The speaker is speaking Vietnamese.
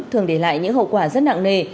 thường để lại những hậu quả rất nặng nề